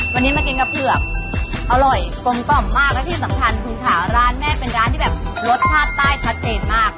วันนี้มากินกระเผือกอร่อยกลมกล่อมมากและที่สำคัญคุณค่ะร้านแม่เป็นร้านที่แบบรสชาติใต้ชัดเจนมาก